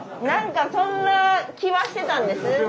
なんかそんな気はしてたんです。